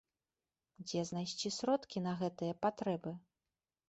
Дзе знайсці сродкі на гэтыя патрэбы?